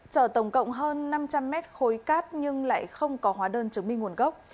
chở tổng cộng hơn năm trăm linh mét khối cát nhưng lại không có hóa đơn chứng minh nguồn gốc